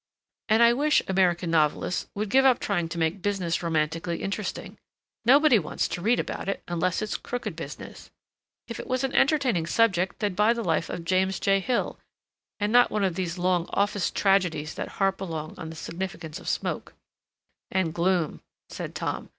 "And I wish American novelists would give up trying to make business romantically interesting. Nobody wants to read about it, unless it's crooked business. If it was an entertaining subject they'd buy the life of James J. Hill and not one of these long office tragedies that harp along on the significance of smoke—" "And gloom," said Tom.